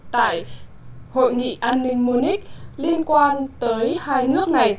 tại hội nghị an ninh munich liên quan tới hai nước này